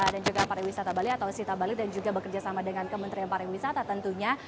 dan juga pariwisata bali atau sita bali dan juga bekerja sama dengan kementerian pariwisata tentunya